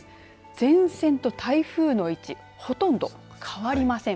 前線と台風の位置ほとんど変わりません。